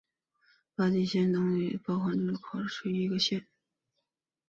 巴吉亚县是东帝汶民主共和国包考区的一个县。